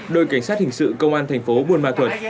đội cảnh sát hình sự công an thành phố buôn ma thuật